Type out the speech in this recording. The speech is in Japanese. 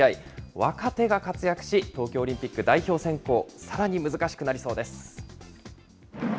若手が活躍し、東京オリンピック代表選考、さらに難しくなりそうです。